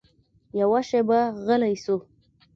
يوه شېبه غلى سو.